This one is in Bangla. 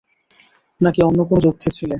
নাকি অন্য কোনো যুদ্ধে ছিলে?